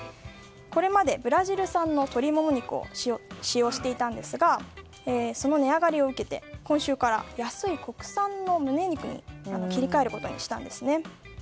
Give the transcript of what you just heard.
これまでブラジル産の鶏もも肉を使用していたんですがその値上がりを受けて今週から安い国産の胸肉に切り替えることにしたんですね。